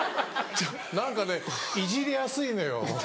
何かねいじりやすいのよ。